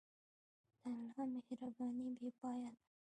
د الله مهرباني بېپایه ده.